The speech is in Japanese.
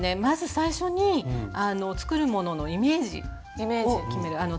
まず最初に作るもののイメージを決める。